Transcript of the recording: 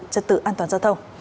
trật tự an toàn giao thông